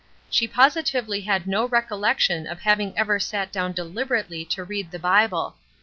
She positively had no recollection of having ever sat down deliberately to read the Bible.